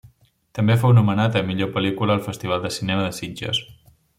També fou nominada a millor pel·lícula al Festival de Cinema de Sitges.